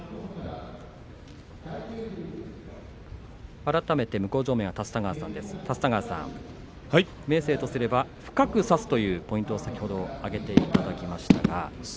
改めて向正面の立田川さん明生とすれば深く差すというポイントを先ほど挙げていただきました。